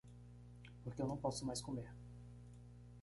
Porque eu não posso mais comer.